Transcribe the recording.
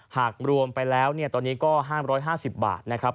หากรวมไปแล้วเนี่ยตอนนี้ก็ห้ามร้อยห้าสิบบาทนะครับ